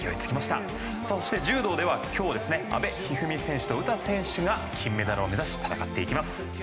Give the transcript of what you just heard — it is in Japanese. そして柔道では今日、阿部一二三選手と詩選手が金メダルを目指し戦っていきます。